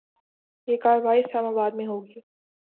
یہ کارروائی اسلام آباد میں ہو گی۔